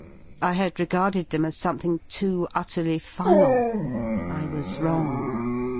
I had regarded them as something too utterly final, I was \•. wrong.